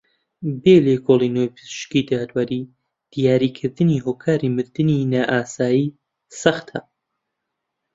بێ لێکۆڵێنەوەی پزیشکی داوەریی دیاریکردنی هۆکاری مردنی نائاسایی سەختە